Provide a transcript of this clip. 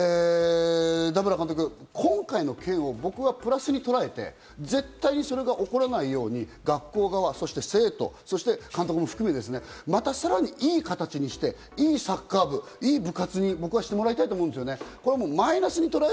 段原監督、今回の件を僕はプラスにとらえて、絶対にそれが起こらないように学校側、生徒、監督も含め、またさらにいい形にして、良いサッカー部に、部活に僕はしてもらいたいと思うんですよね。